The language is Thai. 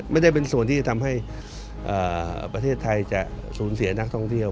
ไม่ได้เป็นส่วนที่จะทำให้ประเทศไทยจะสูญเสียนักท่องเที่ยว